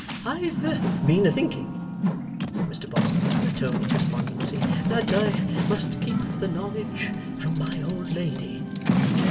'I've been a thinking,' said Mr Boffin, in a tone of despondency, 'that I must keep the knowledge from my old lady.